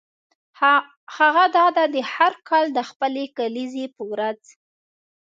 هغه دا ده هر کال د خپلې کلیزې په ورځ.